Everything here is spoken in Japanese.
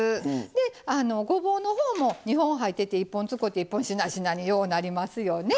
でごぼうの方も２本入ってて１本使うて１本しなしなにようなりますよね？